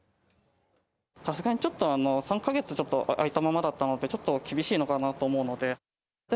さすがにちょっと３か月開いたままだったので、ちょっと厳しいのかなと思うので。